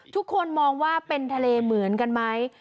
ทุกคนมองว่าเป็นทะเลเหมือนกันไหม